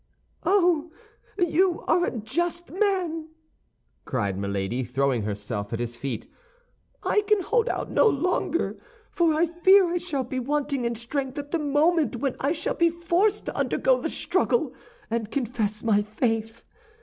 "Oh, you are a just man!" cried Milady, throwing herself at his feet. "I can hold out no longer, for I fear I shall be wanting in strength at the moment when I shall be forced to undergo the struggle, and confess my faith.